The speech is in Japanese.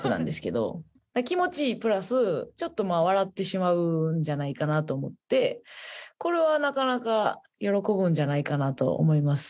気持ちいいプラスちょっと笑ってしまうんじゃないかなと思ってこれはなかなか喜ぶんじゃないかなと思います。